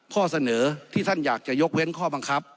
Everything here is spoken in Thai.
ข้อเสนอที่ท่านอยากจะยกเว้นข้อบังคับ